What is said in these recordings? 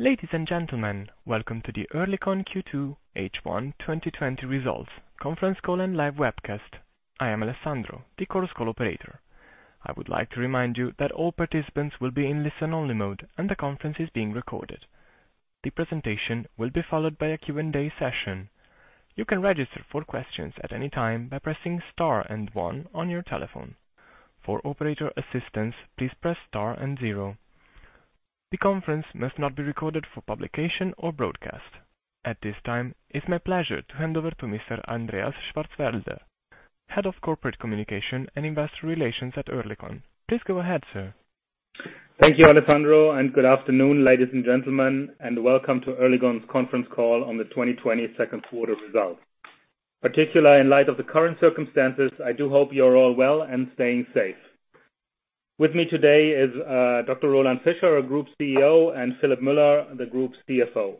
Ladies and gentlemen, welcome to the Oerlikon Q2 H1 2020 Results Conference Call and Live Webcast. I am Alessandro, the Chorus Call operator. I would like to remind you that all participants will be in listen-only mode, and the conference is being recorded. The presentation will be followed by a Q&A session. You can register for questions at any time by pressing Star and One on your telephone. For operator assistance, please press Star and Zero. The conference must not be recorded for publication or broadcast. At this time, it's my pleasure to hand over to Mr. Andreas Schwarzwälder, Head of Corporate Communication and Investor Relations at Oerlikon. Please go ahead, sir. Thank you, Alessandro. Good afternoon, ladies and gentlemen, and welcome to Oerlikon's conference call on the 2020 second quarter results. Particularly in light of the current circumstances, I do hope you're all well and staying safe. With me today is Dr. Roland Fischer, our Group CEO, and Philipp Müller, the Group's CFO.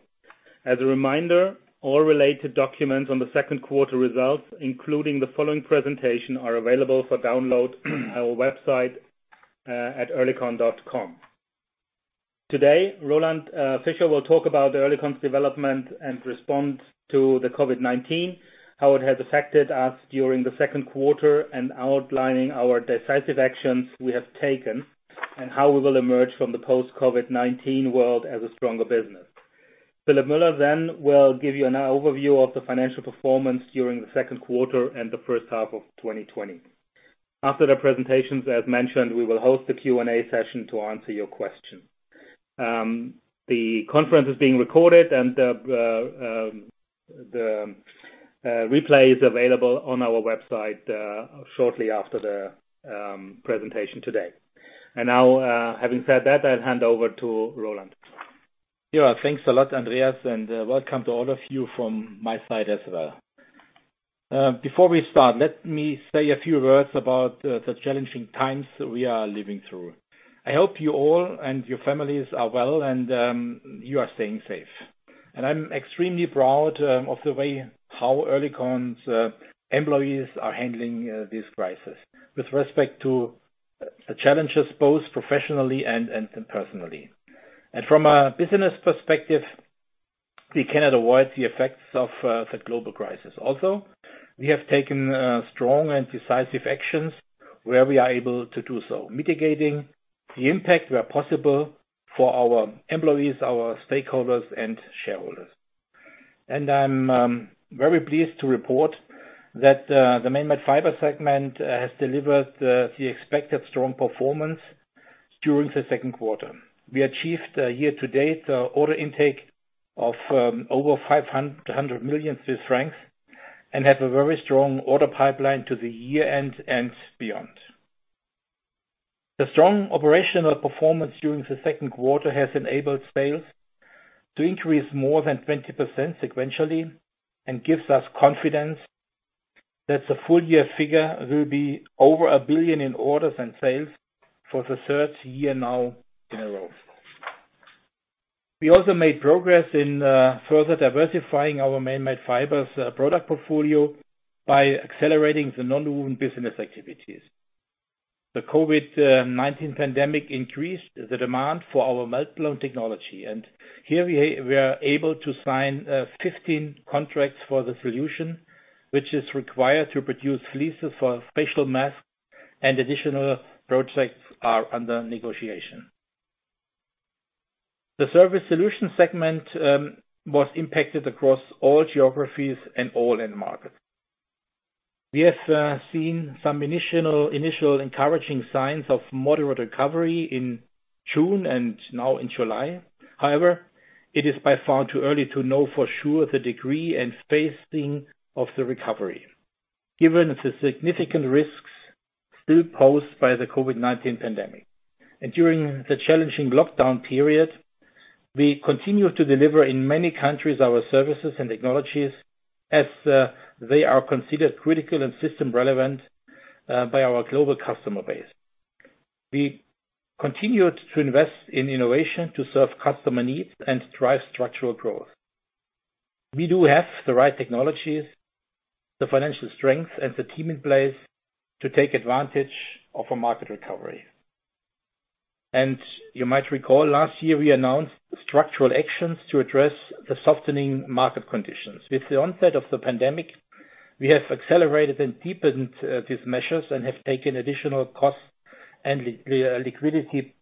As a reminder, all related documents on the second quarter results, including the following presentation, are available for download on our website at oerlikon.com. Today, Roland Fischer will talk about Oerlikon's development and response to COVID-19, how it has affected us during the second quarter, and outlining our decisive actions we have taken, and how we will emerge from the post-COVID-19 world as a stronger business. Philipp Mueller will give you an overview of the financial performance during the second quarter and the first half of 2020. After the presentations, as mentioned, we will host a Q&A session to answer your questions. The conference is being recorded. The replay is available on our website shortly after the presentation today. Now, having said that, I'll hand over to Roland. Yeah. Thanks a lot, Andreas, welcome to all of you from my side as well. Before we start, let me say a few words about the challenging times we are living through. I hope you all and your families are well, and you are staying safe. I'm extremely proud of the way how Oerlikon's employees are handling this crisis with respect to the challenges, both professionally and personally. From a business perspective, we cannot avoid the effects of the global crisis. We have taken strong and decisive actions where we are able to do so, mitigating the impact where possible for our employees, our stakeholders, and shareholders. I'm very pleased to report that the Manmade Fibers segment has delivered the expected strong performance during the second quarter. We achieved a year-to-date order intake of over 500 million Swiss francs and have a very strong order pipeline to the year-end and beyond. The strong operational performance during the second quarter has enabled sales to increase more than 20% sequentially and gives us confidence that the full year figure will be over 1 billion in orders and sales for the third year now in a row. We also made progress in further diversifying our Manmade Fibers product portfolio by accelerating the Non-woven business activities. The COVID-19 pandemic increased the demand for our meltblown technology, and here we are able to sign 15 contracts for the solution, which is required to produce fleeces for facial masks, and additional projects are under negotiation. The Surface Solutions segment was impacted across all geographies and all end markets. We have seen some initial encouraging signs of moderate recovery in June and now in July. However, it is by far too early to know for sure the degree and pacing of the recovery, given the significant risks still posed by the COVID-19 pandemic. During the challenging lockdown period, we continued to deliver in many countries our services and technologies as they are considered critical and system relevant by our global customer base. We continued to invest in innovation to serve customer needs and drive structural growth. We do have the right technologies, the financial strength, and the team in place to take advantage of a market recovery. You might recall last year we announced structural actions to address the softening market conditions. With the onset of the pandemic, we have accelerated and deepened these measures and have taken additional cost and liquidity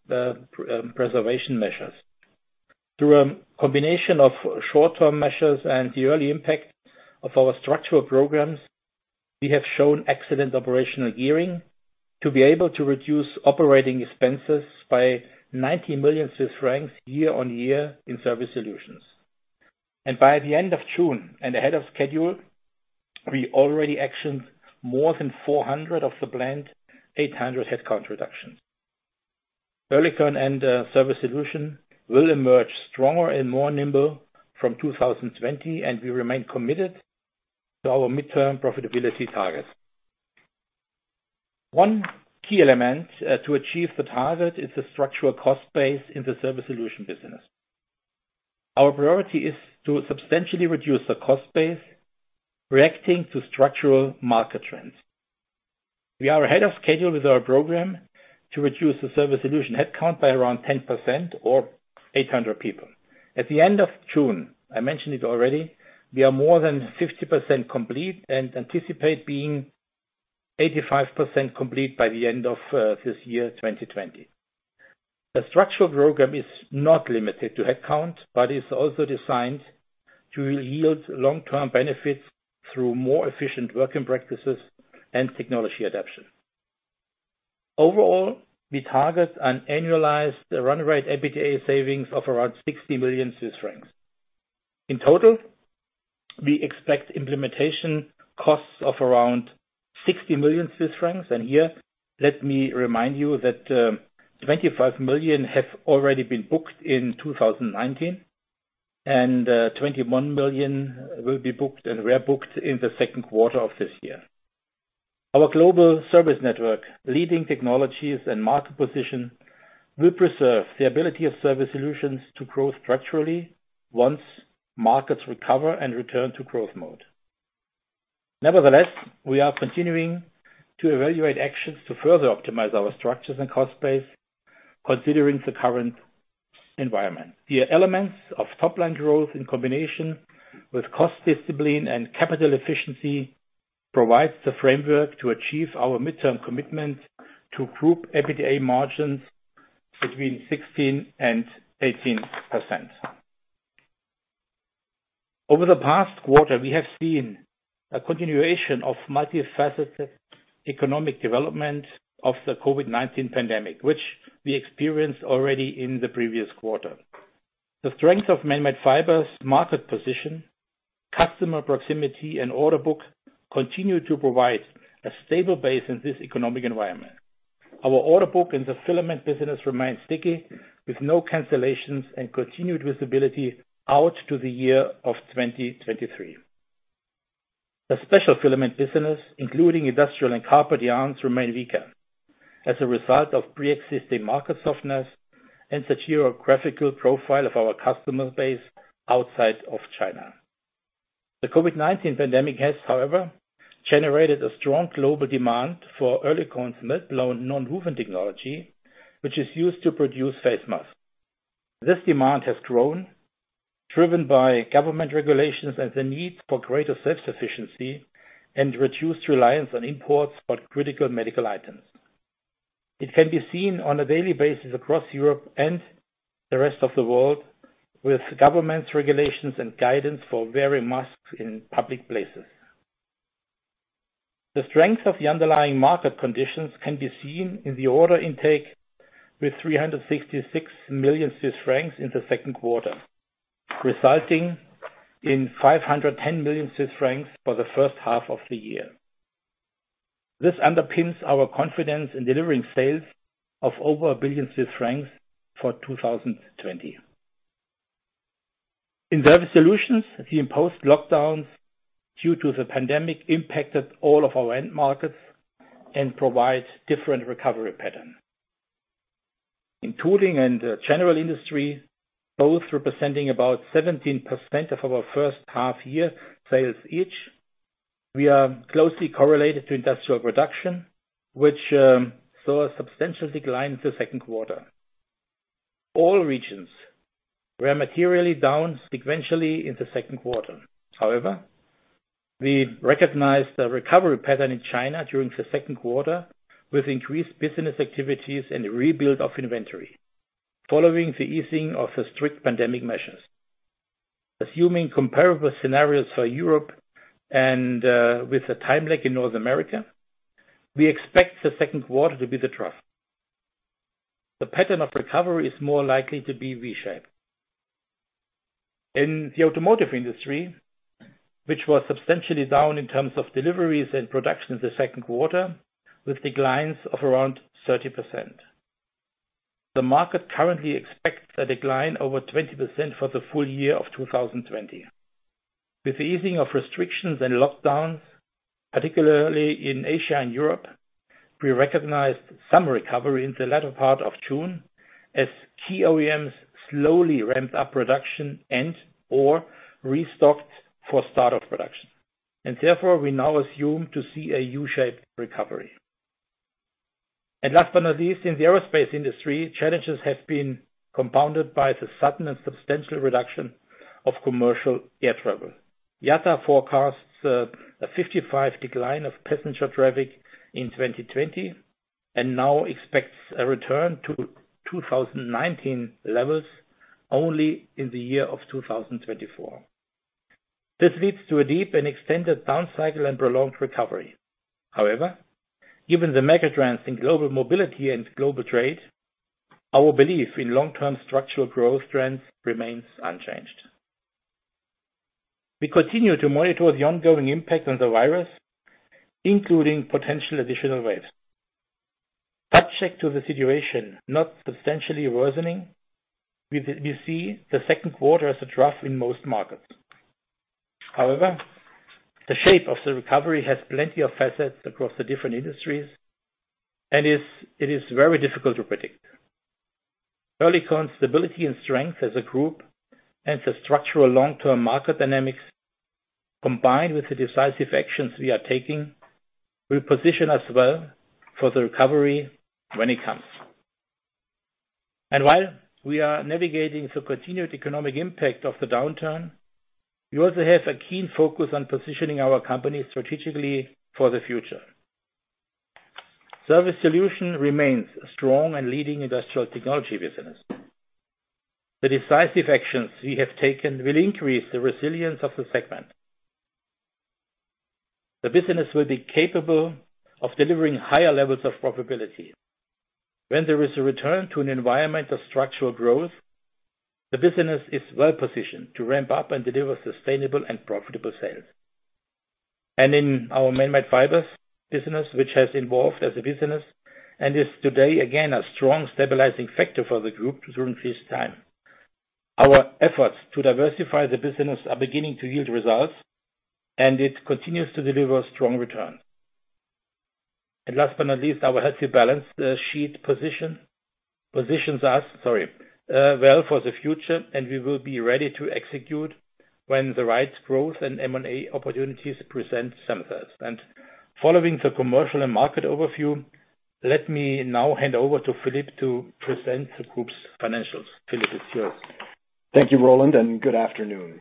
preservation measures. Through a combination of short-term measures and the early impact of our structural programs, we have shown excellent operational gearing to be able to reduce operating expenses by 90 million Swiss francs year on year in Surface Solutions. By the end of June, and ahead of schedule, we already actioned more than 400 of the planned 800 headcount reductions. Oerlikon and Surface Solutions will emerge stronger and nimbler from 2020, and we remain committed to our midterm profitability targets. One key element to achieve the target is the structural cost base in the Surface Solutions business. Our priority is to substantially reduce the cost base, reacting to structural market trends. We are ahead of schedule with our program to reduce the Surface Solutions headcount by around 10% or 800 people. At the end of June, I mentioned it already, we are more than 50% complete and anticipate being 85% complete by the end of this year, 2020. The structural program is not limited to headcount, but is also designed to yield long-term benefits through more efficient working practices and technology adaption. Overall, we target an annualized run rate EBITDA savings of around 60 million Swiss francs. In total, we expect implementation costs of around 60 million Swiss francs. Here, let me remind you that 25 million have already been booked in 2019 and 21 million will be booked and were booked in the second quarter of this year. Our global service network, leading technologies, and market position will preserve the ability of Surface Solutions to grow structurally once markets recover and return to growth mode. Nevertheless, we are continuing to evaluate actions to further optimize our structures and cost base considering the current environment. The elements of top-line growth in combination with cost discipline and capital efficiency provide the framework to achieve our midterm commitment to group EBITDA margins between 16% and 18%. Over the past quarter, we have seen a continuation of multifaceted economic development of the COVID-19 pandemic, which we experienced already in the previous quarter. The strength of Manmade Fibers' market position, customer proximity, and order book continue to provide a stable base in this economic environment. Our order book in the Filament business remains sticky, with no cancellations and continued visibility out to the year of 2023. The Special Filament business, including industrial and carpet yarns, remains weaker as a result of pre-existing market softness and the geographical profile of our customer base outside of China. The COVID-19 pandemic has, however, generated a strong global demand for Oerlikon meltblown Non-woven technology, which is used to produce face masks. This demand has grown, driven by government regulations and the need for greater self-sufficiency and reduced reliance on imports for critical medical items. It can be seen on a daily basis across Europe and the rest of the world with governments regulations and guidance for wearing masks in public places. The strength of the underlying market conditions can be seen in the order intake with 366 million Swiss francs in the second quarter, resulting in 510 million Swiss francs for the first half of the year. This underpins our confidence in delivering sales of over 1 billion Swiss francs for 2020. In Surface Solutions, the imposed lockdowns due to the pandemic impacted all of our end markets and provide different recovery pattern. In tooling and general industry, both representing about 17% of our first half year sales each, we are closely correlated to industrial production, which saw a substantial decline in the second quarter. All regions were materially down sequentially in the second quarter. However, we recognized the recovery pattern in China during the second quarter with increased business activities and rebuild of inventory following the easing of the strict pandemic measures. Assuming comparable scenarios for Europe and with a time lag in North America, we expect the second quarter to be the trough. The pattern of recovery is more likely to be V-shaped. In the automotive industry, which was substantially down in terms of deliveries and production in the second quarter with declines of around 30%. The market currently expects a decline over 20% for the full year of 2020. With the easing of restrictions and lockdowns, particularly in Asia and Europe, we recognized some recovery in the latter part of June as key OEMs slowly ramped up production and/or restocked for start-up production. Therefore, we now assume to see a U-shaped recovery. Last but not least, in the aerospace industry, challenges have been compounded by the sudden and substantial reduction of commercial air travel. IATA forecasts a 55% decline of passenger traffic in 2020 and now expects a return to 2019 levels only in the year of 2024. This leads to a deep and extended down cycle and prolonged recovery. However, given the megatrends in global mobility and global trade, our belief in long-term structural growth trends remains unchanged. We continue to monitor the ongoing impact on the virus, including potential additional waves. Subject to the situation not substantially worsening, we see the second quarter as a trough in most markets. However, the shape of the recovery has plenty of facets across the different industries and it is very difficult to predict. Oerlikon's stability and strength as a group and the structural long-term market dynamics, combined with the decisive actions we are taking, will position us well for the recovery when it comes. While we are navigating the continued economic impact of the downturn, we also have a keen focus on positioning our company strategically for the future. Surface Solutions remains a strong and leading industrial technology business. The decisive actions we have taken will increase the resilience of the segment. The business will be capable of delivering higher levels of profitability. When there is a return to an environment of structural growth, the business is well-positioned to ramp up and deliver sustainable and profitable sales. In our Manmade Fibers business, which has evolved as a business, and is today again, a strong stabilizing factor for the group during this time. Our efforts to diversify the business are beginning to yield results, and it continues to deliver strong returns. Last but not least, our healthy balance sheet positions us well for the future, and we will be ready to execute when the right growth and M&A opportunities present themselves. Following the commercial and market overview, let me now hand over to Philipp to present the group's financials. Philipp, it's yours. Thank you, Roland, and good afternoon.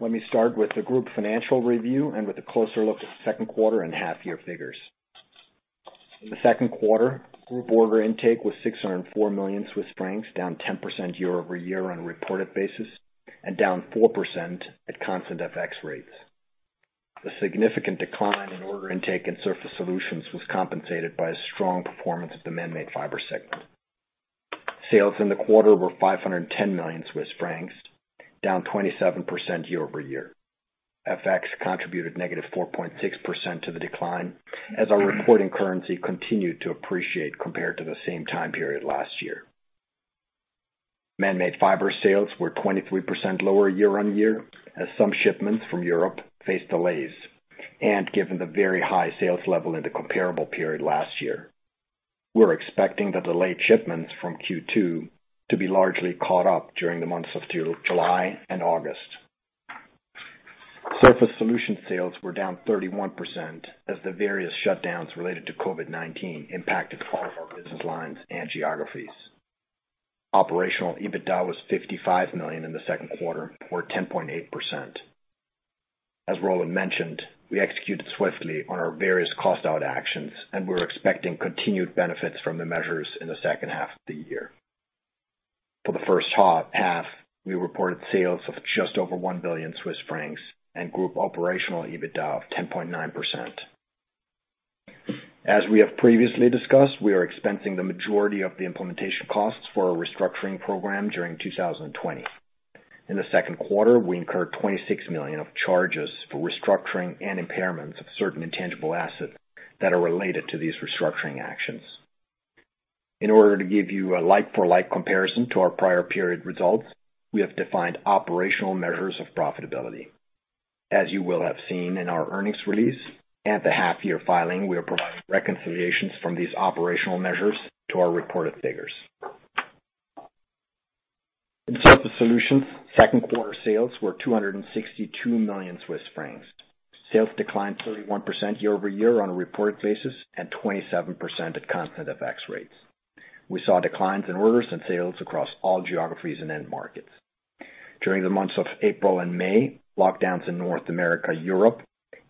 Let me start with the group financial review and with a closer look at the second quarter and half year figures. In the second quarter, group order intake was 604 million Swiss francs, down 10% year-over-year on a reported basis, and down 4% at constant FX rates. The significant decline in order intake and Surface Solutions was compensated by a strong performance of the Manmade Fibers segment. Sales in the quarter were 510 million Swiss francs, down 27% year-over-year. FX contributed negative 4.6% to the decline as our reporting currency continued to appreciate compared to the same time period last year. Manmade Fibers sales were 23% lower year-on-year, as some shipments from Europe faced delays, and given the very high sales level in the comparable period last year. We're expecting the delayed shipments from Q2 to be largely caught up during the months of July and August. Surface Solutions sales were down 31% as the various shutdowns related to COVID-19 impacted all of our business lines and geographies. Operational EBITDA was 55 million in the second quarter, or 10.8%. As Roland mentioned, we executed swiftly on our various cost-out actions, and we're expecting continued benefits from the measures in the second half of the year. For the first half, we reported sales of just over 1 billion Swiss francs and group operational EBITDA of 10.9%. As we have previously discussed, we are expensing the majority of the implementation costs for our restructuring program during 2020. In the second quarter, we incurred 26 million of charges for restructuring and impairments of certain intangible assets that are related to these restructuring actions. In order to give you a like-for-like comparison to our prior period results, we have defined operational measures of profitability. As you will have seen in our earnings release, at the half year filing, we are providing reconciliations from these operational measures to our reported figures. In Surface Solutions, second quarter sales were 262 million Swiss francs. Sales declined 31% year-over-year on a reported basis and 27% at constant FX rates. We saw declines in orders and sales across all geographies and end markets. During the months of April and May, lockdowns in North America, Europe,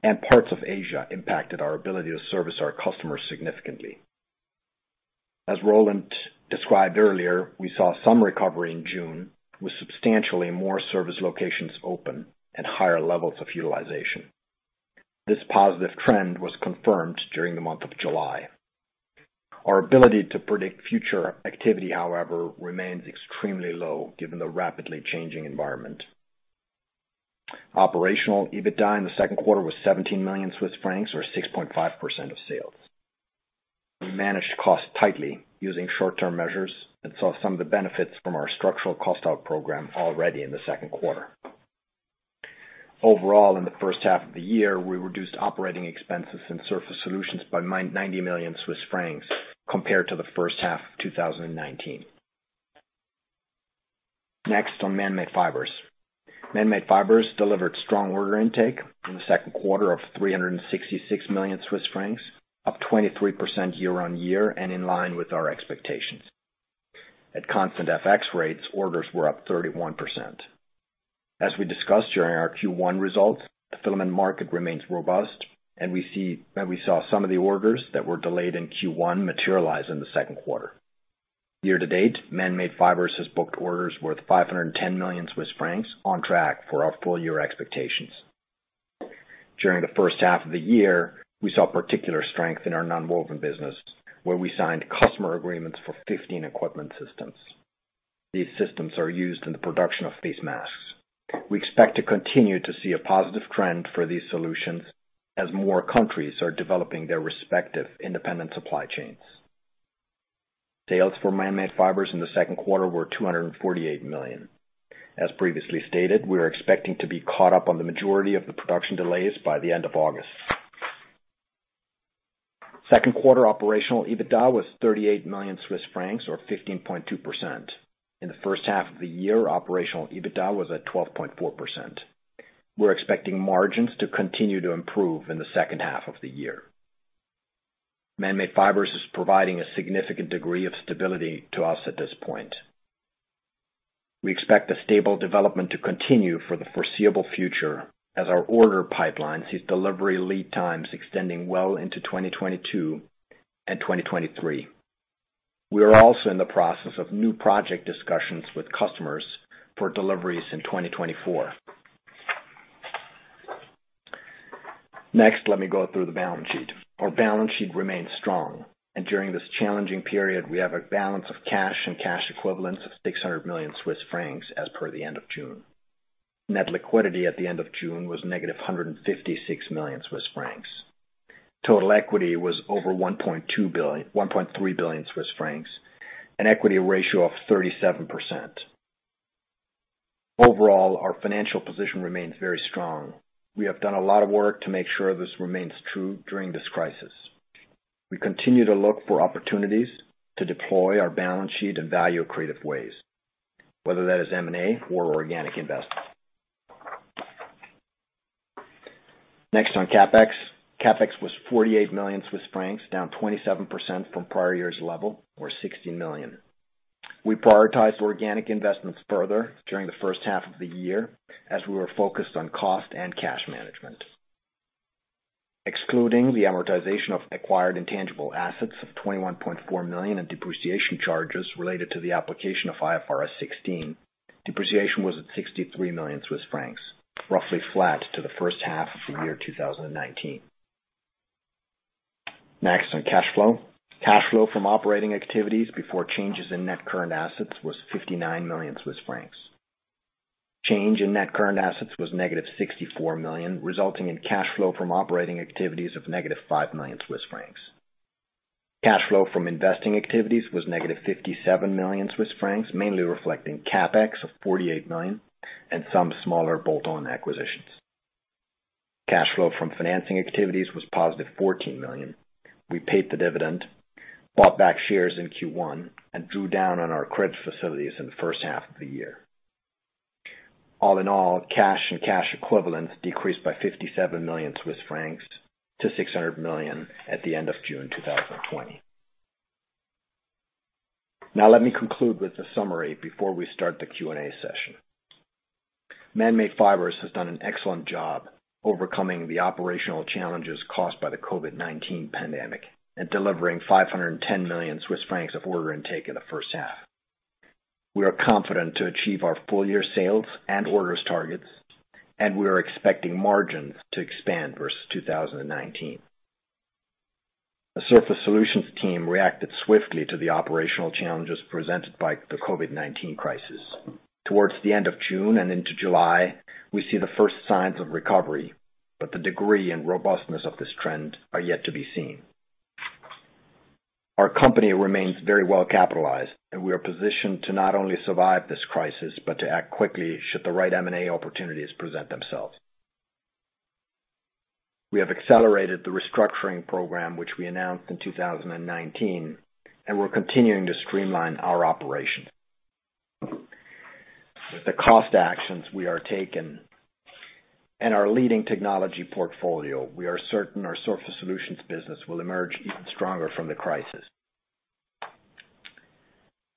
and parts of Asia impacted our ability to service our customers significantly. As Roland described earlier, we saw some recovery in June, with substantially more service locations open and higher levels of utilization. This positive trend was confirmed during the month of July. Our ability to predict future activity, however, remains extremely low given the rapidly changing environment. Operational EBITDA in the second quarter was 17 million Swiss francs or 6.5% of sales. We managed costs tightly using short-term measures and saw some of the benefits from our structural cost-out program already in the second quarter. Overall, in the first half of the year, we reduced operating expenses in Surface Solutions by 90 million Swiss francs compared to the first half of 2019. Next on Manmade Fibers. Manmade Fibers delivered strong order intake in the second quarter of 366 million Swiss francs, up 23% year-on-year and in line with our expectations. At constant FX rates, orders were up 31%. As we discussed during our Q1 results, the filament market remains robust, and we saw some of the orders that were delayed in Q1 materialize in the second quarter. Year-to-date, Manmade Fibers has booked orders worth 510 million Swiss francs on track for our full year expectations. During the first half of the year, we saw particular strength in our Non-woven business, where we signed customer agreements for 15 equipment systems. These systems are used in the production of face masks. We expect to continue to see a positive trend for these solutions as more countries are developing their respective independent supply chains. Sales for Manmade Fibers in the second quarter were 248 million. As previously stated, we are expecting to be caught up on the majority of the production delays by the end of August. Second quarter operational EBITDA was 38 million Swiss francs, or 15.2%. In the first half of the year, operational EBITDA was at 12.4%. We're expecting margins to continue to improve in the second half of the year. Manmade Fibers is providing a significant degree of stability to us at this point. We expect the stable development to continue for the foreseeable future as our order pipeline sees delivery lead times extending well into 2022 and 2023. We are also in the process of new project discussions with customers for deliveries in 2024. Next, let me go through the balance sheet. Our balance sheet remains strong, and during this challenging period, we have a balance of cash and cash equivalents of 600 million Swiss francs as per the end of June. Net liquidity at the end of June was negative 156 million Swiss francs. Total equity was over 1.3 billion Swiss francs, an equity ratio of 37%. Overall, our financial position remains very strong. We have done a lot of work to make sure this remains true during this crisis. We continue to look for opportunities to deploy our balance sheet in value creative ways, whether that is M&A or organic investments. Next on CapEx. CapEx was 48 million Swiss francs, down 27% from prior year's level, or 60 million. We prioritized organic investments further during the first half of the year as we were focused on cost and cash management. Excluding the amortization of acquired intangible assets of 21.4 million in depreciation charges related to the application of IFRS 16, depreciation was at 63 million Swiss francs, roughly flat to the first half of the year 2019. Next on cash flow. Cash flow from operating activities before changes in net current assets was 59 million Swiss francs. Change in net current assets was negative 64 million, resulting in cash flow from operating activities of negative 5 million Swiss francs. Cash flow from investing activities was negative 57 million Swiss francs, mainly reflecting CapEx of 48 million and some smaller bolt-on acquisitions. Cash flow from financing activities was positive 14 million. We paid the dividend, bought back shares in Q1, and drew down on our credit facilities in the first half of the year. All-in-all, cash and cash equivalents decreased by 57 million-600 million Swiss francs at the end of June 2020. Let me conclude with a summary before we start the Q&A session. Manmade Fibers has done an excellent job overcoming the operational challenges caused by the COVID-19 pandemic and delivering 510 million Swiss francs of order intake in the first half. We are confident to achieve our full year sales and orders targets, and we are expecting margins to expand versus 2019. The Surface Solutions team reacted swiftly to the operational challenges presented by the COVID-19 crisis. Towards the end of June and into July, we see the first signs of recovery, but the degree and robustness of this trend are yet to be seen. Our company remains very well capitalized, and we are positioned to not only survive this crisis, but to act quickly should the right M&A opportunities present themselves. We have accelerated the restructuring program, which we announced in 2019, and we're continuing to streamline our operations. With the cost actions we are taking and our leading technology portfolio, we are certain our Surface Solutions business will emerge even stronger from the crisis.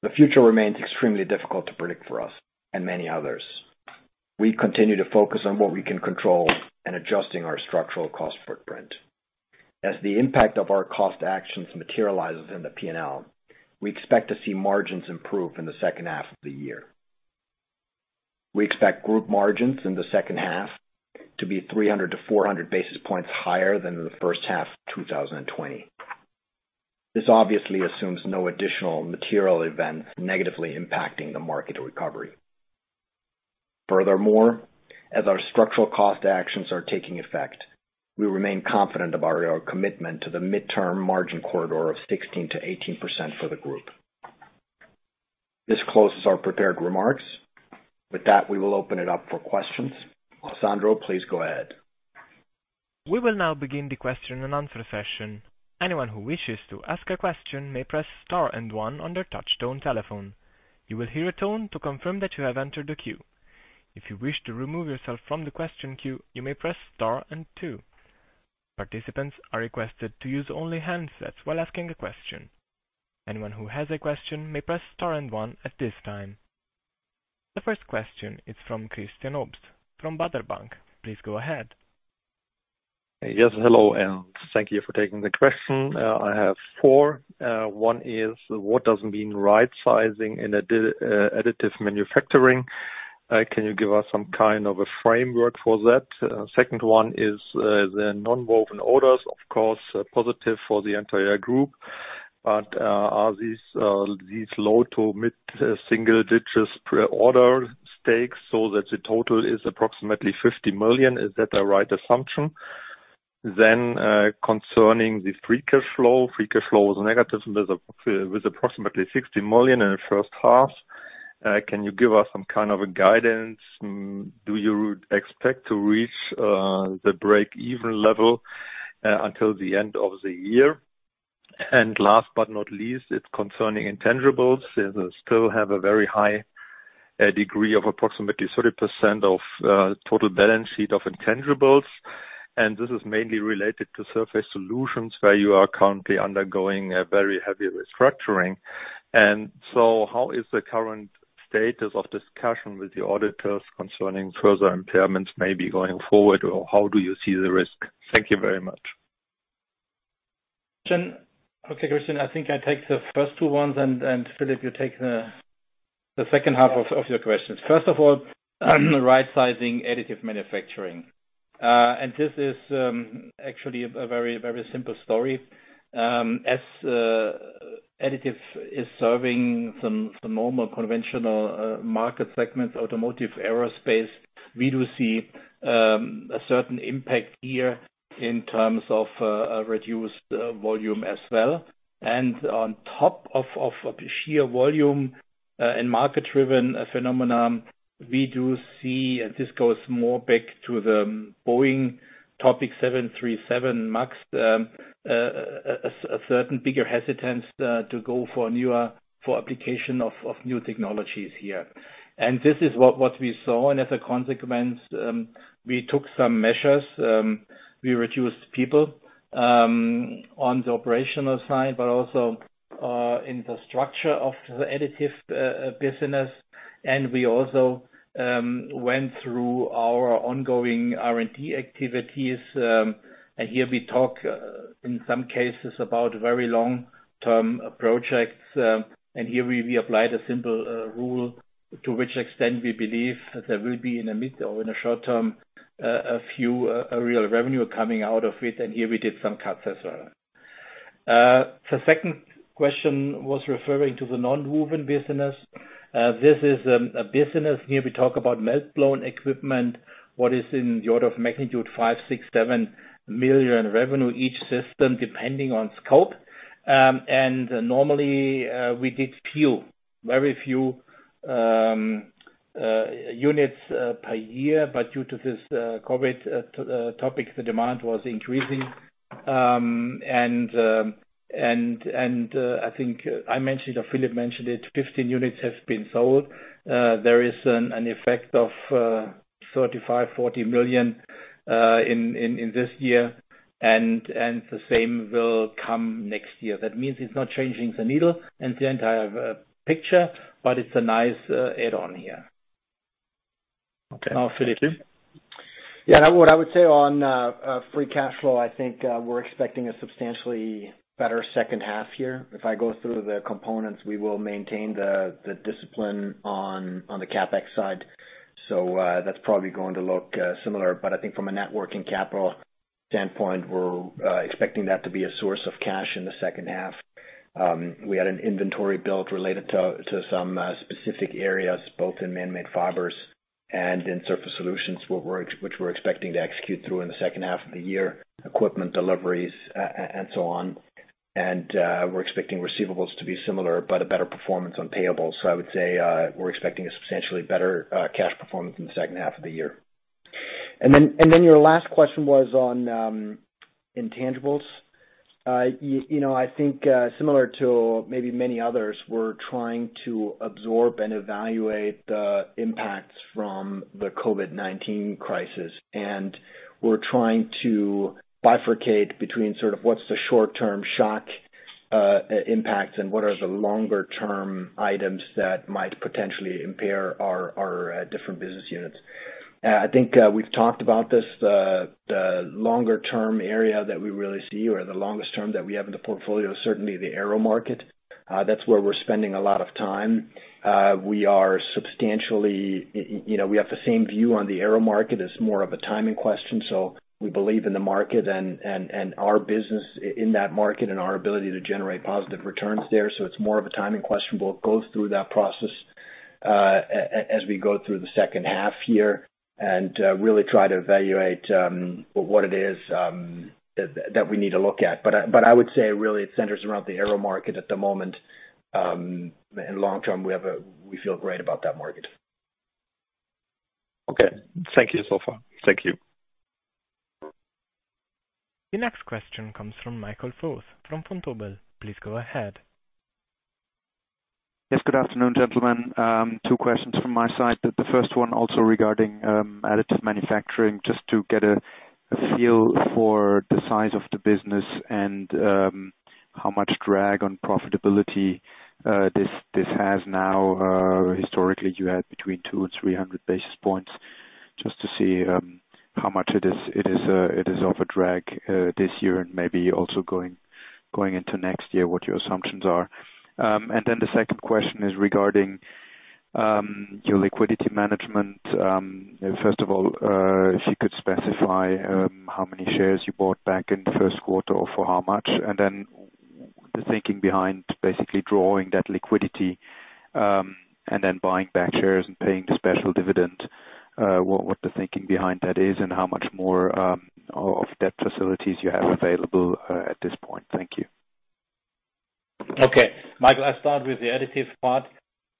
The future remains extremely difficult to predict for us and many others. We continue to focus on what we can control and adjusting our structural cost footprint. As the impact of our cost actions materializes in the P&L, we expect to see margins improve in the second half of the year. We expect group margins in the second half to be 300-400 basis points higher than in the first half of 2020. This obviously assumes no additional material events negatively impacting the market recovery. Furthermore, as our structural cost actions are taking effect, we remain confident about our commitment to the midterm margin corridor of 16%-18% for the group. This closes our prepared remarks. With that, we will open it up for questions. Alessandro, please go ahead. We will now begin the question and answer session. Anyone who wishes to ask a question may press star and one on their touch tone telephone. You will hear a tone to confirm that you have entered the queue. If you wish to remove yourself from the question queue, you may press star and two. Participants are requested to use only handsets while asking a question. Anyone who has a question may press star and one at this time. The first question is from Christian Obst from Baader Bank. Please go ahead. Yes. Hello, thank you for taking the question. I have four. One is, what does it mean right sizing in additive manufacturing? Can you give us some kind of a framework for that? Second one is, the nonwoven orders, of course, are positive for the entire group. Are these low to mid-single digits per order stakes so that the total is approximately 50 million? Is that the right assumption? Concerning the free cash flow, free cash flow was negative with approximately 60 million in the first half. Can you give us some kind of a guidance? Do you expect to reach the break-even level until the end of the year? Last but not least, it's concerning intangibles. You still have a very high degree of approximately 30% of total balance sheet of intangibles. This is mainly related to Surface Solutions where you are currently undergoing a very heavy restructuring. How is the current status of discussion with the auditors concerning further impairments maybe going forward, or how do you see the risk? Thank you very much. Okay, Christian, I think I take the first two ones, and Philipp, you take the second half of your questions. First of all, right-sizing additive manufacturing. This is actually a very simple story. As additive is serving some normal conventional market segments, Automotive, Aerospace, we do see a certain impact here in terms of reduced volume as well. On top of the sheer volume and market-driven phenomenon, we do see, and this goes more back to the Boeing topic 737 MAX, a certain bigger hesitance to go for application of new technologies here. This is what we saw, and as a consequence, we took some measures. We reduced people on the operational side, but also in the structure of the Additive business. We also went through our ongoing R&D activities. Here we talk in some cases about very long-term projects. Here we applied a simple rule to which extent we believe there will be in the mid or in the short term, a few real revenue coming out of it, and here we did some cuts as well. The second question was referring to the Non-woven business. This is a business, here we talk about melt-blown equipment, what is in the order of magnitude 5 million, 6 million, 7 million revenue each system, depending on scope. Normally we did very few units per year. Due to this COVID topic, the demand was increasing. I think I mentioned, or Philipp mentioned it, 15 units have been sold. There is an effect of 35 million, 40 million in this year and the same will come next year. That means it's not changing the needle and the entire picture, but it's a nice add-on here. Okay. Now, Philipp. Yeah. What I would say on free cash flow, I think we're expecting a substantially better second half here. If I go through the components, we will maintain the discipline on the CapEx side. That's probably going to look similar, but I think from a net working capital standpoint, we're expecting that to be a source of cash in the second half. We had an inventory build related to some specific areas, both in Manmade Fibers and in Surface Solutions, which we're expecting to execute through in the second half of the year, equipment deliveries and so on. We're expecting receivables to be similar, but a better performance on payables. I would say we're expecting a substantially better cash performance in the second half of the year. Your last question was on intangibles. I think similar to maybe many others, we're trying to absorb and evaluate the impacts from the COVID-19 crisis. We're trying to bifurcate between sort of what's the short-term shock impacts and what are the longer-term items that might potentially impair our different business units. I think we've talked about this, the longer-term area that we really see or the longest term that we have in the portfolio is certainly the aero market. That's where we're spending a lot of time. We have the same view on the aero market as more of a timing question. We believe in the market and our business in that market and our ability to generate positive returns there. It's more of a timing question. We'll go through that process as we go through the second half here and really try to evaluate what it is that we need to look at. I would say really it centers around the aero market at the moment. In long term, we feel great about that market. Okay. Thank you so far. Thank you. The next question comes from Michael Foeth from Vontobel. Please go ahead. Yes, good afternoon, gentlemen. Two questions from my side. The first one also regarding additive manufacturing, just to get a feel for the size of the business and how much drag on profitability this has now. Historically, you had between two and 300 basis points just to see how much it is of a drag this year and maybe also going into next year, what your assumptions are. The second question is regarding your liquidity management. First of all, if you could specify how many shares you bought back in the first quarter or for how much, and then the thinking behind basically drawing that liquidity and then buying back shares and paying the special dividend, what the thinking behind that is and how much more of debt facilities you have available at this point. Thank you. Okay. Michael, I start with the additives part.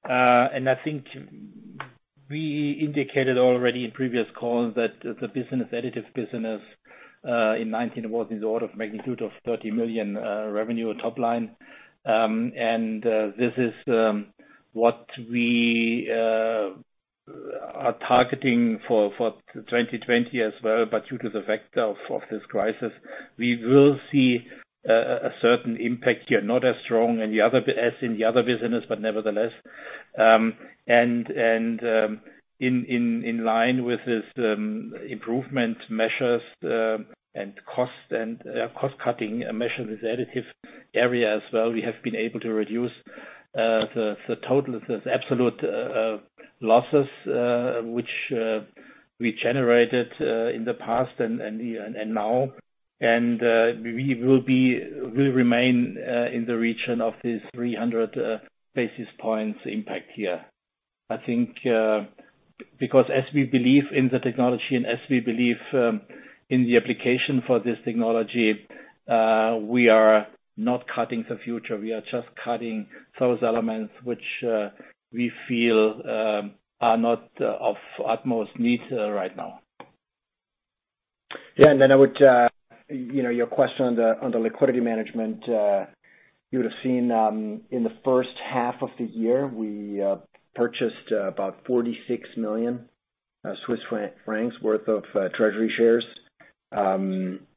I think we indicated already in previous calls that the Additives business in 2019 was in the order of magnitude of 30 million revenue top line. This is what we are targeting for 2020 as well. Due to the effect of this crisis, we will see a certain impact here, not as strong as in the other business, but nevertheless. In line with this improvement measures and cost-cutting measures, this additive area as well, we have been able to reduce the total, the absolute losses which we generated in the past and now. We will remain in the region of this 300 basis points impact here. I think, because as we believe in the technology and as we believe in the application for this technology, we are not cutting the future. We are just cutting those elements which we feel are not of utmost need right now. Then your question on the liquidity management. You would have seen, in the first half of the year, we purchased about 46 million Swiss francs worth of treasury shares.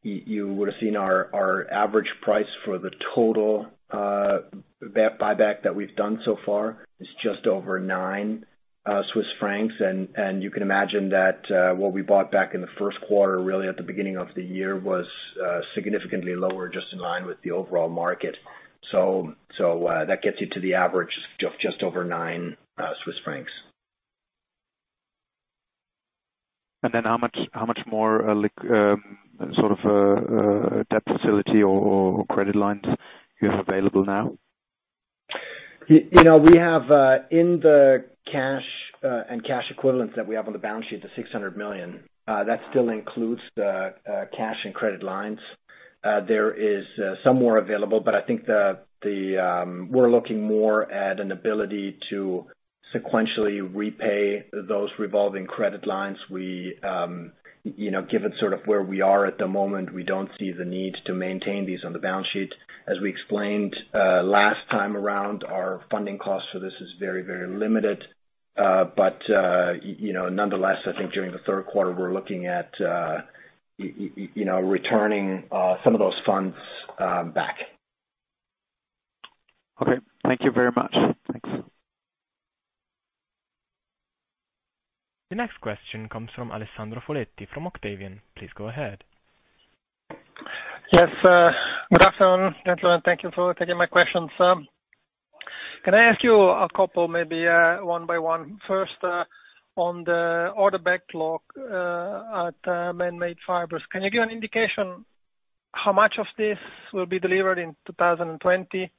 You would have seen our average price for the total buyback that we've done so far is just over 9 Swiss francs. You can imagine that what we bought back in the first quarter, really at the beginning of the year, was significantly lower, just in line with the overall market. That gets you to the average of just over CHF 9. How much more debt facility or credit lines do you have available now? In the cash and cash equivalents that we have on the balance sheet, the 600 million, that still includes the cash and credit lines. There is some more available, but I think we're looking more at an ability to sequentially repay those revolving credit lines. Given where we are at the moment, we don't see the need to maintain these on the balance sheet. As we explained last time around, our funding cost for this is very limited. Nonetheless, I think during the third quarter, we're looking at returning some of those funds back. Okay. Thank you very much. Thanks. The next question comes from Alessandro Foletti from Octavian. Please go ahead. Yes. Good afternoon, gentlemen. Thank you for taking my questions. Can I ask you a couple, maybe one by one. First, on the order backlog at Manmade Fibers, can you give an indication how much of this will be delivered in 2020?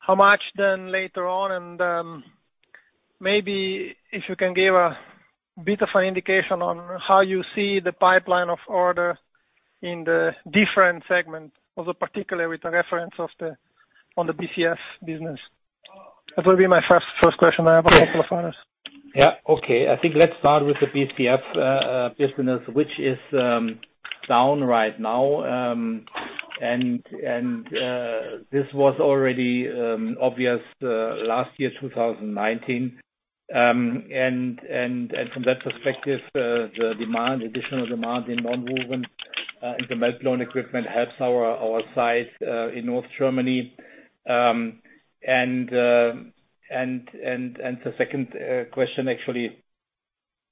How much later on? Maybe if you can give a bit of an indication on how you see the pipeline of order in the different segments, also particularly with the reference on the BCF business. That will be my first question. I have a couple of others. Yeah. Okay. I think let's start with the BCF business, which is down right now. This was already obvious last year, 2019. From that perspective, the additional demand in nonwoven and the meltblown equipment helps our site in North Germany. The second question, actually,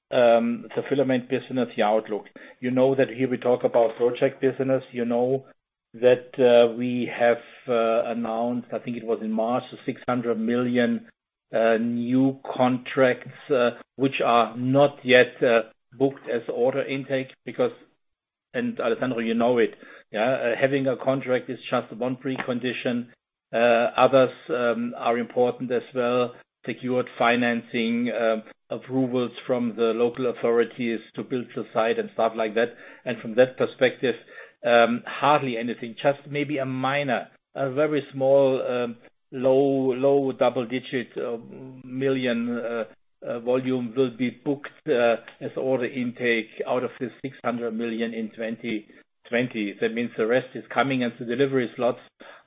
the Filament business, the outlook. You know that here we talk about project business. You know that we have announced, I think it was in March, 600 million new contracts which are not yet booked as order intake because, Alessandro, you know it. Having a contract is just one precondition. Others are important as well. Secured financing, approvals from the local authorities to build the site and stuff like that. From that perspective, hardly anything, just maybe a minor, a very small, low double-digit million volume will be booked as order intake out of the 600 million in 2020. That means the rest is coming and the delivery slots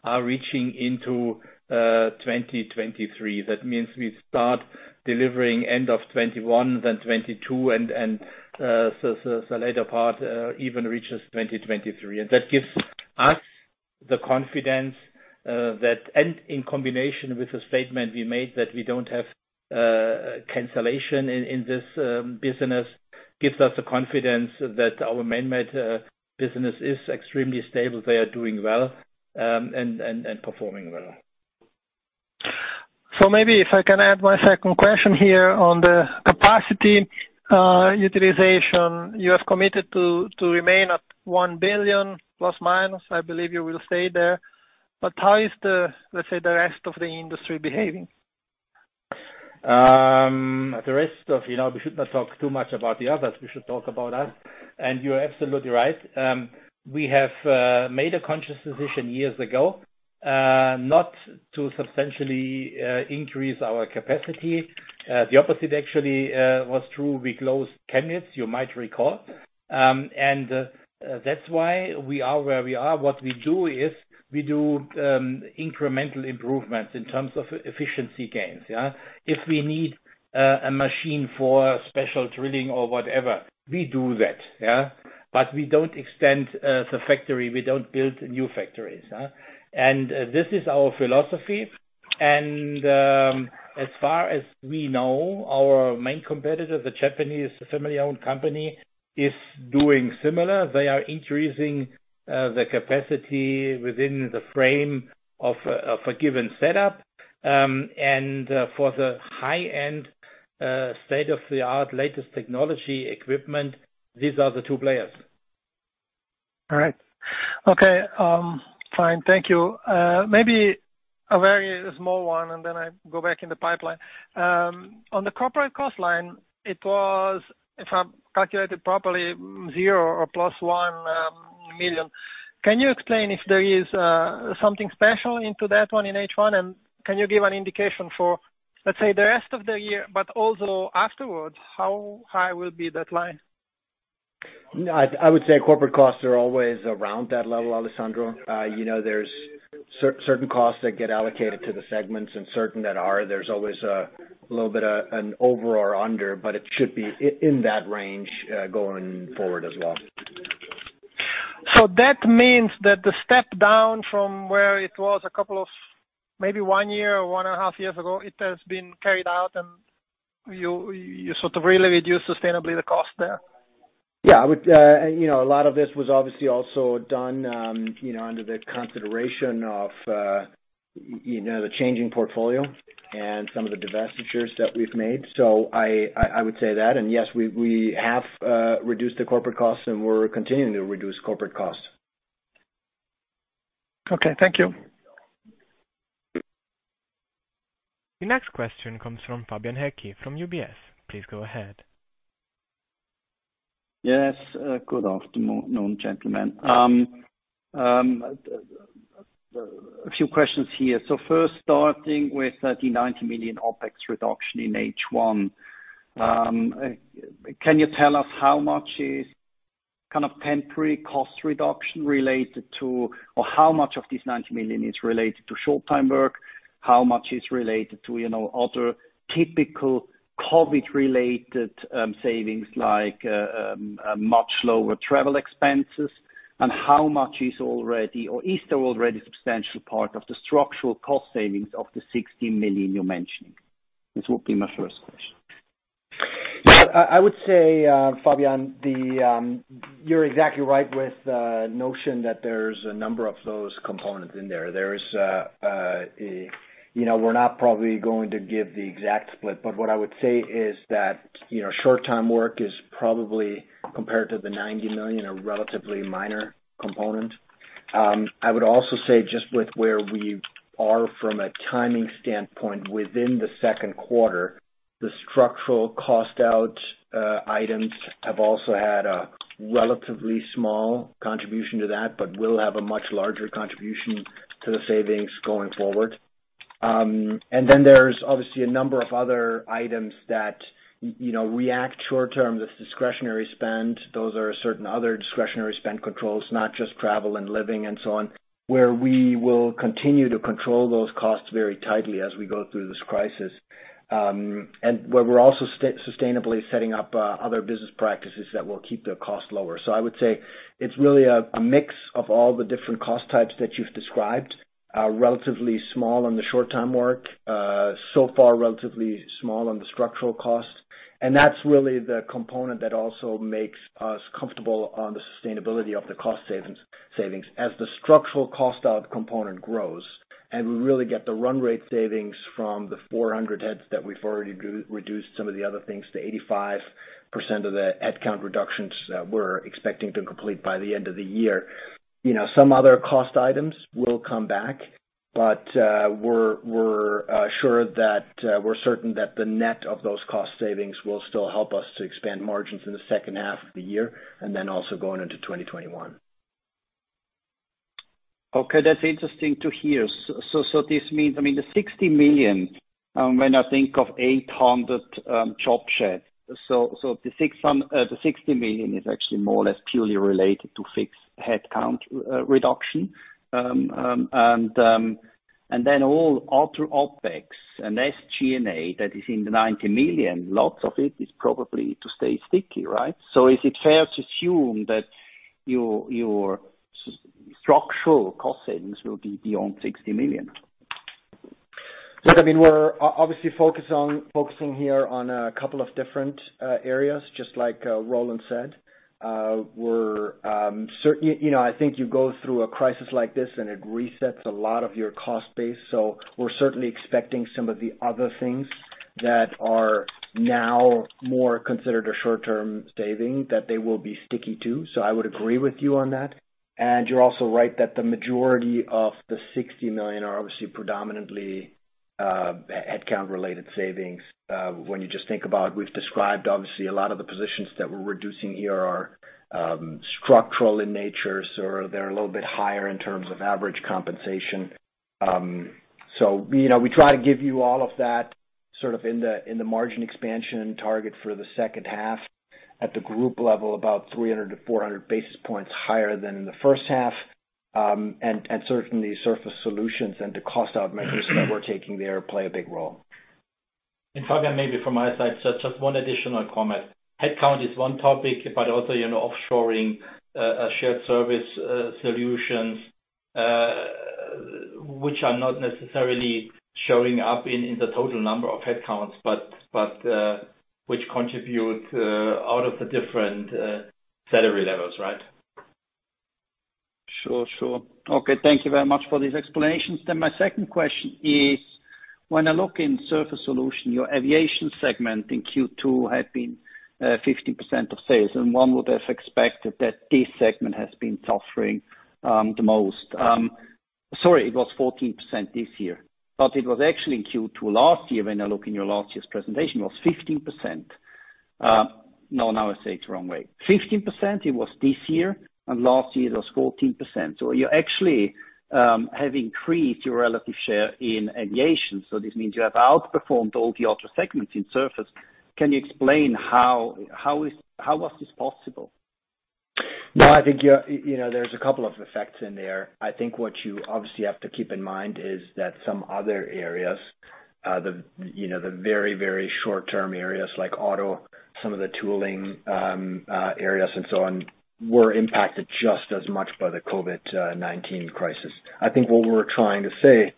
are reaching into 2023. That means we start delivering end of 2021, then 2022, and the later part even reaches 2023. That gives us the confidence that, and in combination with the statement we made that we don't have cancellation in this business, gives us the confidence that our Manmade business is extremely stable. They are doing well and performing well. Maybe if I can add my second question here on the capacity utilization. You have committed to remain at 1 billion, plus, minus. I believe you will stay there. How is the, let's say, the rest of the industry behaving? We should not talk too much about the others. We should talk about us. You're absolutely right. We have made a conscious decision years ago, not to substantially increase our capacity. The opposite actually was true. We closed Balzers, you might recall. That's why we are where we are. What we do is, we do incremental improvements in terms of efficiency gains, yeah. If we need a machine for special drilling or whatever, we do that, yeah. We don't extend the factory. We don't build new factories. This is our philosophy. As far as we know, our main competitor, the Japanese family-owned company, is doing similar. They are increasing the capacity within the frame of a given setup. For the high-end state-of-the-art latest technology equipment, these are the two players. All right. Okay. Fine. Thank you. Maybe a very small one, and then I go back in the pipeline. On the corporate cost line, it was, if I calculated properly, 0 or +1 million. Can you explain if there is something special into that one in H1, and can you give an indication for, let's say, the rest of the year, but also afterwards, how high will be that line? I would say corporate costs are always around that level, Alessandro. There's certain costs that get allocated to the segments and certain that are. There's always a little bit of an over or under, but it should be in that range, going forward as well. That means that the step down from where it was a couple of, maybe one year or one and a half years ago, it has been carried out and you sort of really reduce sustainably the cost there? Yeah. A lot of this was obviously also done under the consideration of the changing portfolio and some of the divestitures that we've made. I would say that, and yes, we have reduced the corporate costs and we're continuing to reduce corporate costs. Okay. Thank you. The next question comes from Fabian Haecki from UBS. Please go ahead. Yes. Good afternoon, gentlemen. A few questions here. First starting with the 90 million OpEx reduction in H1. Can you tell us how much is kind of temporary cost reduction related to, or how much of this 90 million is related to short-time work? How much is related to other typical COVID-related savings like much lower travel expenses? How much is already, or is there already substantial part of the structural cost savings of the 60 million you're mentioning? This would be my first question. I would say, Fabian, you're exactly right with the notion that there's a number of those components in there. We're not probably going to give the exact split, but what I would say is that short-time work is probably compared to the 90 million, a relatively minor component. I would also say just with where we are from a timing standpoint within the second quarter, the structural cost out items have also had a relatively small contribution to that, but will have a much larger contribution to the savings going forward. There's obviously a number of other items that react short-term, this discretionary spend. Those are certain other discretionary spend controls, not just travel and living and so on, where we will continue to control those costs very tightly as we go through this crisis. Where we're also sustainably setting up other business practices that will keep the cost lower. I would say it's really a mix of all the different cost types that you've described, relatively small on the short-time work. Far, relatively small on the structural cost. That's really the component that also makes us comfortable on the sustainability of the cost savings. As the structural cost out component grows, and we really get the run rate savings from the 400 heads that we've already reduced some of the other things to 85% of the head count reductions that we're expecting to complete by the end of the year. Some other cost items will come back, but we're certain that the net of those cost savings will still help us to expand margins in the second half of the year, and then also going into 2021. Okay. That's interesting to hear. This means the 60 million, when I think of 800 job sheds. The 60 million is actually more or less purely related to fixed head count reduction. Then all other OpEx and SG&A that is in the 90 million, lots of it is probably to stay sticky, right? Is it fair to assume that your structural cost savings will be beyond 60 million? Look, we're obviously focusing here on a couple of different areas, just like Roland said. I think you go through a crisis like this, and it resets a lot of your cost base. We're certainly expecting some of the other things that are now more considered a short-term saving that they will be sticky to. I would agree with you on that. You're also right that the majority of the 60 million are obviously predominantly headcount-related savings. When you just think about, we've described, obviously, a lot of the positions that we're reducing here are structural in nature, so they're a little bit higher in terms of average compensation. We try to give you all of that in the margin expansion target for the second half at the group level, about 300-400 basis points higher than in the first half. Certainly, Surface Solutions and the cost out measures that we're taking there play a big role. Fabian, maybe from my side, just one additional comment. Headcount is one topic, but also, offshoring shared service solutions, which are not necessarily showing up in the total number of headcounts, but which contribute out of the different salary levels, right? Sure. Okay, thank you very much for these explanations. My second question is, when I look in Surface Solutions, your Aviation segment in Q2 had been 15% of sales, and one would have expected that this segment has been suffering the most. Sorry, it was 14% this year, but it was actually in Q2 last year, when I look in your last year's presentation, it was 15%. No, now I say it the wrong way. 15%, it was this year, and last year it was 14%. You actually have increased your relative share in aviation. This means you have outperformed all the other segments in Surface. Can you explain how was this possible? No, I think there's a couple of effects in there. I think what you obviously have to keep in mind is that some other areas, the very short-term areas like auto, some of the tooling areas and so on, were impacted just as much by the COVID-19 crisis. I think what we're trying to say